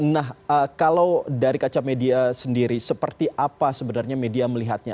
nah kalau dari kaca media sendiri seperti apa sebenarnya media melihatnya